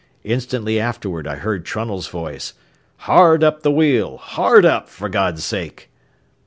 Instantly afterward I heard Trunnell's voice: "Hard up the wheel. Hard up, for God's sake!"